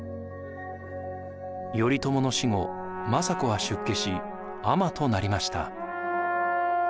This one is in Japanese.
頼朝の死後政子は出家し尼となりました。